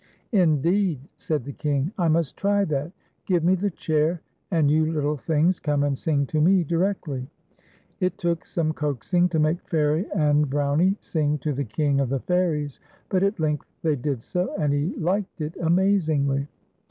" Indeed !" said the King, " I must try that. Give me the chair, and you little things come and sing to me directly." It took some coaxing to make Fairie and Brownie M 178 FAIRIE AND BROWNIE, sing to the King of the Fairies, but at length they did so, and he liked it amazingly.